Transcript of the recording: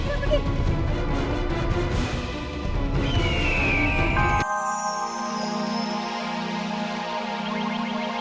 tapi dimana tempat telur emas itu